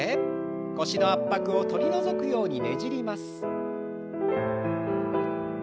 腰の圧迫を取り除くようにねじります。